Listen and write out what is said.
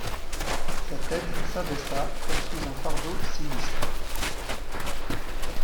Sa tête s’abaissa comme sous un fardeau sinistre.